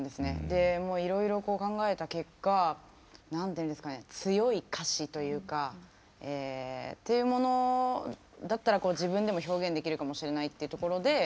でもういろいろ考えた結果何ていうんですかね強い歌詞というかというものだったら自分でも表現できるかもしれないっていうところで。